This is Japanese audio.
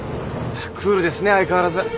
クールですね相変わらず。